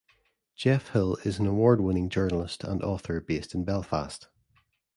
Geoff Hill is an award-winning journalist and author based in Belfast.